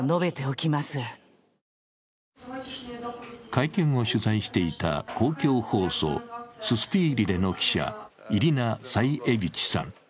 会見を取材していた公共放送、ススピーリネの記者、イリナ・サイエビチさん。